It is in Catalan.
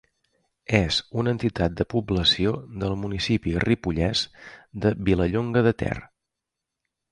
És una entitat de població del municipi ripollès de Vilallonga de Ter.